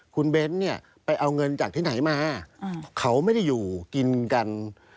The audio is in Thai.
คุณเบ้นเนี่ยไปเอาเงินจากที่ไหนมาเขาไม่ได้อยู่กินกัน